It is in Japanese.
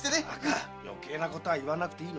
よけいなことは言わなくていいの！